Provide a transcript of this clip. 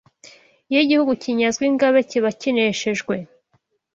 Iyo igihugu kinyazwe ingabe kiba kineshejwe